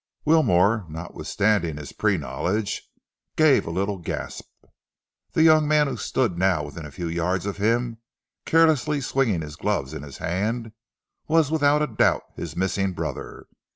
Wilmore, notwithstanding his pre knowledge, gave a little gasp. The young man who stood now within a few yards of him, carelessly swinging his gloves in his hand, was without a doubt his missing brother.